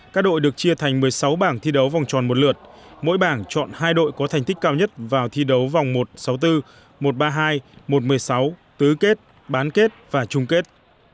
các đội được chia thành một mươi sáu bảng thi đấu vòng tròn một lượt mỗi bảng chọn hai đội có thành tích cao nhất vào thi đấu vòng một sáu mươi bốn một trăm ba mươi hai một trăm một mươi sáu tứ kết bán kết và chung kết